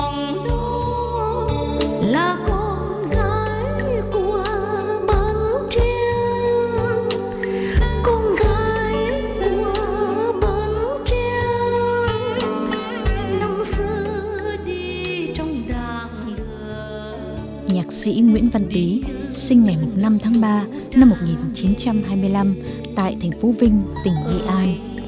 nhạc sĩ nguyễn văn tý sinh ngày một mươi năm tháng ba năm một nghìn chín trăm hai mươi năm tại thành phố vinh tỉnh nghệ an